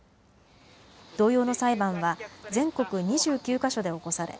同様の裁判は全国２９か所で起こされ